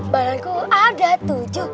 balangku ada tujuh